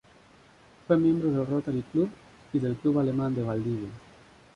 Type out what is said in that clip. Fue miembro del Rotary Club y del Club Alemán de Valdivia.